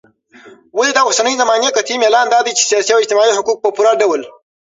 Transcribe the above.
ولي داوسنۍ زماني قطعي ميلان دادى چې سياسي او اجتماعي حقوق په پوره ډول